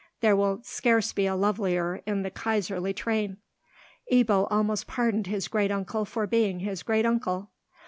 There will scarce be a lovelier in the Kaiserly train." Ebbo almost pardoned his great uncle for being his great uncle.